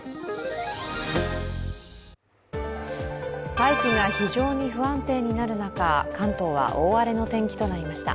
大気が非常に不安定になる中、関東は大荒れの天気となりました。